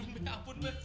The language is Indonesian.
jangan be ampun be